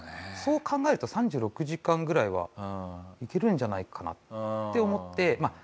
そう考えると３６時間ぐらいはいけるんじゃないかなって思って。